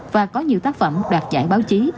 và có nhiều tác phẩm đạt giải báo chí